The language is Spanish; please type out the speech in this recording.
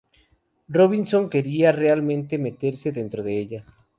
Robinson quería realmente meterse dentro de ellas.